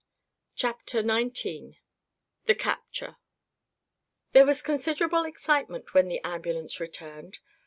CHAPTER XIX THE CAPTURE There was considerable excitement when the ambulance returned.